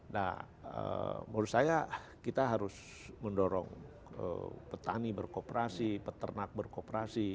nah menurut saya kita harus mendorong petani berkooperasi peternak berkooperasi